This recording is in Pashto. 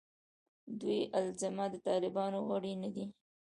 دوی الزاماً د طالبانو غړي نه دي.